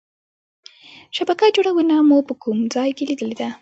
شبکه جوړونه مو په کوم ځای کې لیدلې ده؟